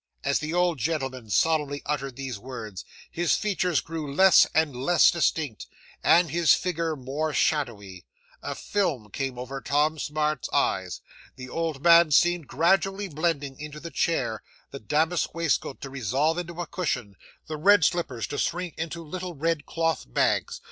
'As the old gentleman solemnly uttered these words, his features grew less and less distinct, and his figure more shadowy. A film came over Tom Smart's eyes. The old man seemed gradually blending into the chair, the damask waistcoat to resolve into a cushion, the red slippers to shrink into little red cloth bags.